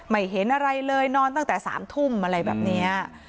เห็นอะไรเลยนอนตั้งแต่๓ทุ่มอะไรแบบนี้